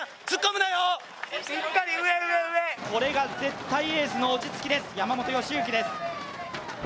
これが絶対エースの落ち着きです、山本良幸です。